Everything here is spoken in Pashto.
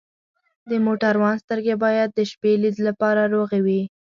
د موټروان سترګې باید د شپې لید لپاره روغې وي.